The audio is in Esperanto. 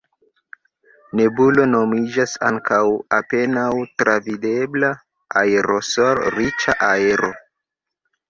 Nebulo nomiĝas ankaŭ apenaŭ travidebla aerosol-riĉa aero.